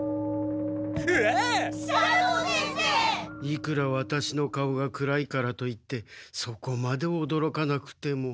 いくらワタシの顔が暗いからといってそこまでおどろかなくても。